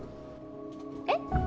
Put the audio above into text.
えっ？